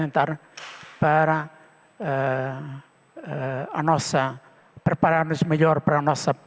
untuk mempersiapkan kita untuk penuh penyambatan